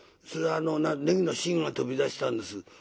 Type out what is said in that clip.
「それはねぎの芯が飛び出したんです」。